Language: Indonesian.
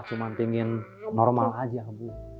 cuma ingin normal aja bu